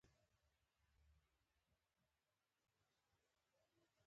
پي ټي ایم د پښتنو د هویت مبارزه کوي.